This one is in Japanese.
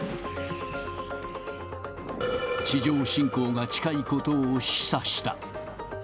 地上侵攻が近いことを示唆した。